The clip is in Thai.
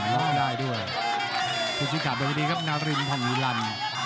ลองไม่ได้ด้วย